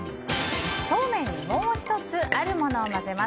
そうめんにもう１つあるものを混ぜます。